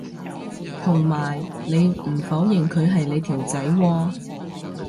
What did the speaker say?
同埋你唔否認佢係你條仔喎